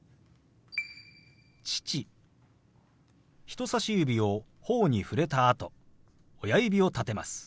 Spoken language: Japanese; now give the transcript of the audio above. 人さし指をほおに触れたあと親指を立てます。